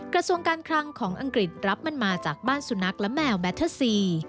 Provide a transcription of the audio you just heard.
กระทรวงการคลังของอังกฤษรับมันมาจากบ้านสุนัขและแมวแมทเทอร์ซี